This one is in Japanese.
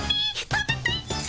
食べたいっピ。